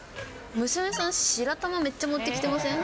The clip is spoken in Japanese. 娘さん、白玉めっちゃ持ってきてません？